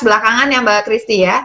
belakangan ya mbak christie ya